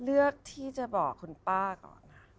เลือกที่จะบอกคุณป้าก่อน